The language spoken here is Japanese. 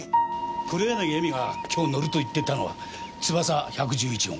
黒柳恵美が今日乗ると言っていたのはつばさ１１１号。